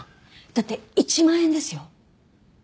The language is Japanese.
だって１万円ですよ。